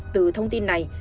từ thông tin này